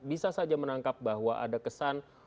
bisa saja menangkap bahwa ada kesan